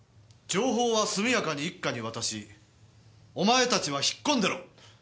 情報はすみやかに一課に渡しお前たちは引っ込んでろ。